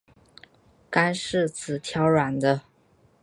干柿子挑软的